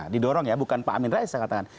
didorong ya bukan pak amin rais saya katakan